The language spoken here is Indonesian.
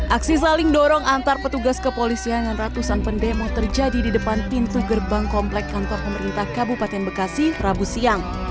aksi saling dorong antar petugas kepolisian dan ratusan pendemo terjadi di depan pintu gerbang komplek kantor pemerintah kabupaten bekasi rabu siang